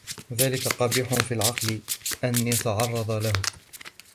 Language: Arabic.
وَذَلِكَ قَبِيحٌ فِي الْعَقْلِ أَنْ يَتَعَرَّضَ لَهُ